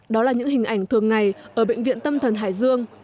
đó là những hình ảnh thường ngày ở bệnh viện tâm thần hải dương